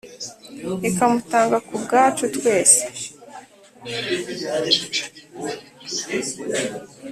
ikamutanga ku bwacu twese,